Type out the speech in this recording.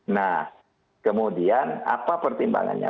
nah kemudian apa pertimbangannya